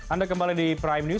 anda kembali di prime news